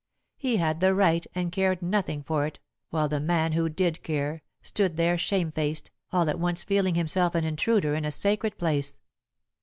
He had the right and cared nothing for it, while the man who did care, stood there shamefaced, all at once feeling himself an intruder in a sacred place.